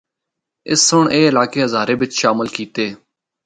اس سنڑ اے علاقے ہزارے بچ شامل کیتے۔